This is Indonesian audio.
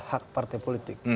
hak partai politik